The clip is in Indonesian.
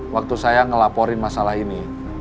waktu saya ngelaporin masalah ini